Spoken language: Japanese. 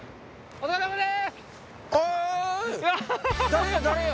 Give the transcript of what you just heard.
お疲れさまです！